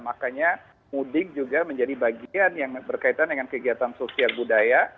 makanya mudik juga menjadi bagian yang berkaitan dengan kegiatan sosial budaya